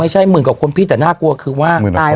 ไม่ใช่หมื่นกว่าคนพี่แต่น่ากลัวคือว่ายอดปลาย